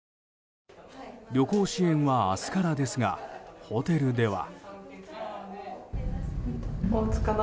旅行支援は明日からですがホテルでは。